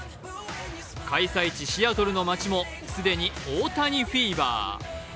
開催地シアトルの街も既に大谷フィーバー。